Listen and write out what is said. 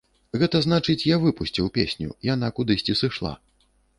Гэта значыць, я выпусціў песню, яна кудысьці сышла.